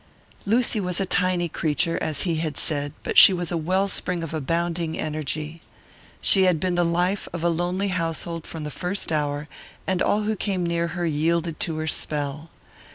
Lucy was a tiny creature, as he had said, but she was a well spring of abounding energy. She had been the life of a lonely household from the first hour, and all who came near her yielded to her spell.